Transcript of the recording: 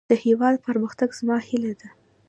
د هيواد پرمختګ زما هيله ده.